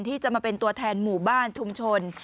ที่จะมาเป็นตัวแทนหมู่บ้านชุมชน